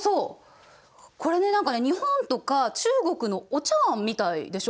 これね何かね日本とか中国のお茶碗みたいでしょ？